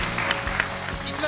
１番